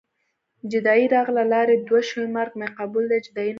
جدايي راغله لارې دوه شوې مرګ مې قبول دی جدايي نه قبلومه